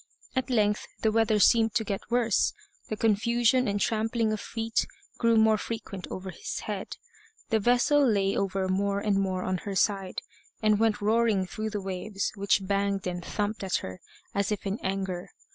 At length the weather seemed to get worse. The confusion and trampling of feet grew more frequent over his head; the vessel lay over more and more on her side, and went roaring through the waves, which banged and thumped at her as if in anger.